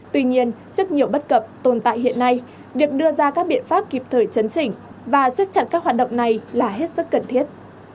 tuy nhiên trước nhiều bất cập tồn tại hiện nay việc đưa ra các biện pháp kịp thời chấn chỉnh và xếp chặt các hoạt động này là hết sức cần thiết